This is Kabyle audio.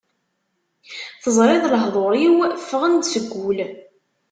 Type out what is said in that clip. Teẓriḍ lehḍur-iw ffɣen-d seg wul.